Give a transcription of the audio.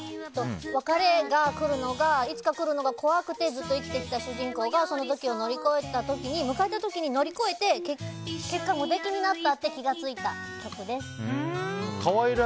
別れがいつか来るのが怖くてずっと生きてきた主人公がその時を乗り越えた時に迎えた時に乗り越えて結果、無敵になったって気が付いた曲です。